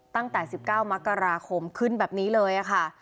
ตั้งแต่๑๙มกราคมขึ้นแบบนี้เลยค่ะ